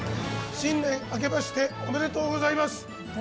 新年あけましておめでとうございます。